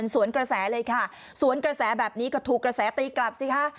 สวนกระแสเลยค่ะสวนกระแสแบบนี้ก็ถูกกระแสตีกลับสิคะ